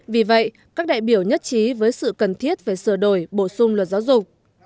vì vậy các đại biểu nhất trí với sự cần thiết về sửa đổi bổ sung luật giáo dục